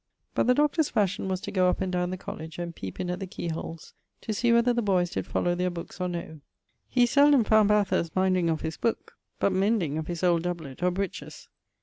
But the Doctor's fashion was to goe up and down the college, and peepe in at the key holes to see whether the boyes did follow their books or no. He seldome found Bathurst minding of his booke, but mending of his old doublet or breeches.